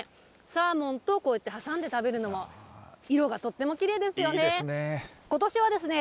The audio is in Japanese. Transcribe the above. サーモンとこうやって挟んで食べるのも、色がとってもきれいですいいですね。